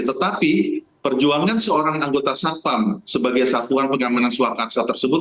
jadi perjuangan seorang anggota satpam sebagai satuan pengamatan suaka aksa tersebut